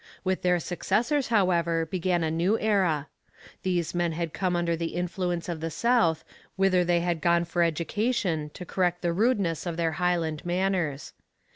With their successors, however, began a new era. These men had come under the influence of the south, whither they had gone for education, to correct the rudeness of their Highland manners.